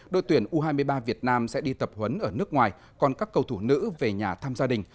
đội tuyển u hai mươi ba việt nam sẽ đi tập huấn ở nước ngoài còn các cầu thủ nữ về nhà thăm gia đình